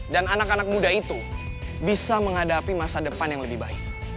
dan anak anak muda itu bisa menghadapi masa depan yang lebih baik